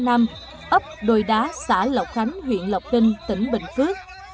ấp đồi đá xã lộc khánh huyện lộc ninh tỉnh bình phước